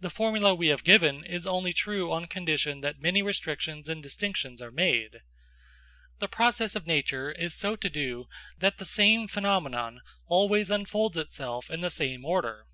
The formula we have given is only true on condition that many restrictions and distinctions are made. The process of nature is so to do that the same phenomenon always unfolds itself in the same order.